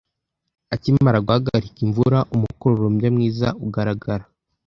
Akimara guhagarika imvura umukororombya mwiza ugaragara.